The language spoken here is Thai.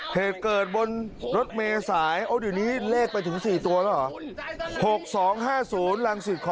เหตุเกิดบนรถเมย์สายเอาถึงนี้เลขไปถึงสี่ตัวแล้วหรอ